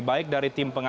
baik dari tim pengajar